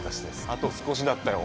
あと少しだったよ